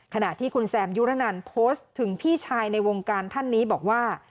ขณะที่คุณแซมยุรนันโพสต์ถึงพี่ชายในวงการท่านนี้บอกว่า